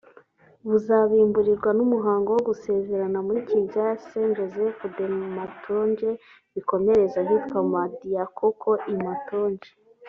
Buzabimburirwa n’umuhango wo gusezerana muri Kiliziya ya Saint-Joseph de Matongé bikomereze ahitwa Madiakoko i Matongé